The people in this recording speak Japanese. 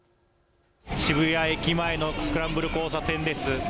渋谷駅前のスクランブル交差点です。